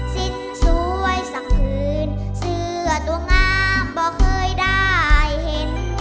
สินสวยสักผืนเสื้อตัวงามบอกเคยได้เห็น